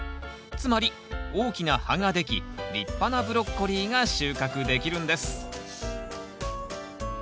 つまり大きな葉ができ立派なブロッコリーが収穫できるんです。